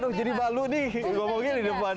aduh jadi balu nih ngomongnya di depan